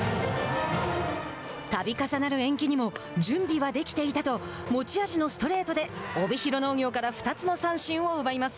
たび重なる延期にも「準備はできていた」と持ち味のストレートで帯広農業から２つの三振を奪います。